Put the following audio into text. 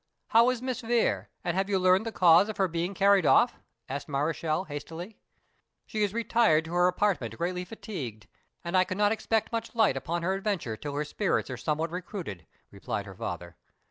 "How is Miss Vere? and have you learned the cause of her being carried off?" asked Mareschal hastily. "She is retired to her apartment greatly fatigued; and I cannot expect much light upon her adventure till her spirits are somewhat recruited," replied her father.